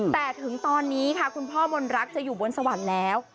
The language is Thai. แต่ถึงตอนนี้ค่ะคุณพ่อมนรักจะอยู่บนสวรรค์แล้ว